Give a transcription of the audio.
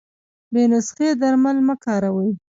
بې نسخي درمل مه کاروی